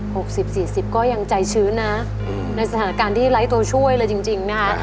สิบสี่สิบก็ยังใจชื้นนะอืมในสถานการณ์ที่ไร้ตัวช่วยเลยจริงจริงนะคะ